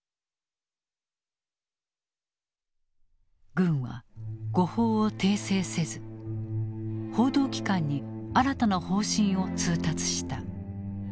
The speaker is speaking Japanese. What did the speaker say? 軍は誤報を訂正せず報道機関に新たな方針を通達した。